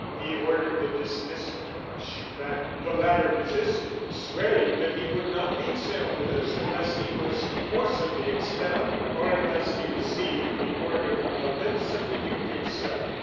He ordered the dismissal of Chupin. The latter resisted, swearing that he would not leave Sairmeuse unless he was forcibly expelled, or unless he received the order from the lips of the duke himself.